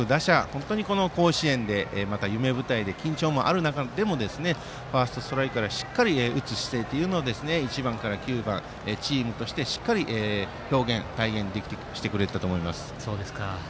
本当にこの甲子園でまた夢舞台で緊張もある中でのファーストストライクからしっかり打つ姿勢を１番から９番、チームとしてしっかり表現体現してくれていたと思います。